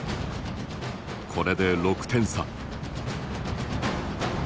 これで６点差。